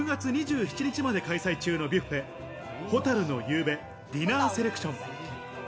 ６月２７日まで開催中のビュッフェ、ほたるの夕べディナーセレクション。